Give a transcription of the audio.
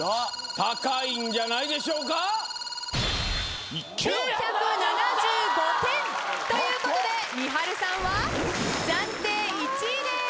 高いんじゃないでしょうか。ということでみはるさんは暫定１位です。